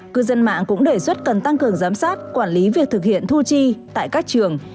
cư dân mạng cũng đề xuất cần tăng cường giám sát quản lý việc thực hiện thu chi tại các trường